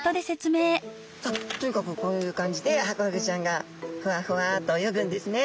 とにかくこういう感じでハコフグちゃんがふわふわと泳ぐんですね。